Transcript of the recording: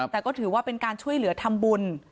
แต่ก็ถือว่าเป็นการช่วยเหลือทำบุญ